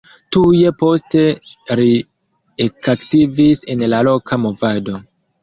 Tuj poste li ekaktivis en la loka movado.